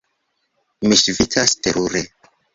Mi ŝvitas terure.